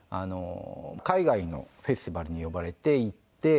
海外のフェスティバルに呼ばれて行って。